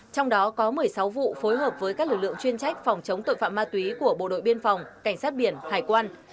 trong đó có một mươi sáu vụ phối hợp với các lực lượng chuyên trách phòng chống tội phạm ma túy của bộ đội biên phòng cảnh sát biển hải quan